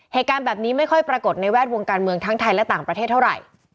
เหตุการณ์แบบนี้ไม่ค่อยปรากฏในแวดวงการเมืองทั้งไทยและต่างประเทศเท่าไหร่